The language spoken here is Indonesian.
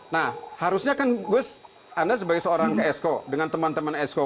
nah harusnya kan gust anda sebagai seorang ke sko dengan teman teman sko